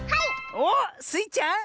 おっスイちゃん。